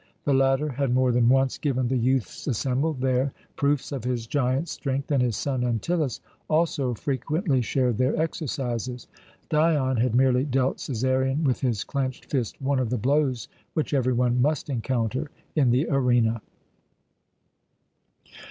The latter had more than once given the youths assembled there proofs of his giant strength, and his son Antyllus also frequently shared their exercises. Dion had merely dealt Cæsarion with his clenched fist one of the blows which every one must encounter in the arena.